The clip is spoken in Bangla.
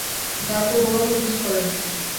তারপর বড় কেউ কিছু করেননি।